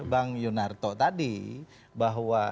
bang yunarto tadi bahwa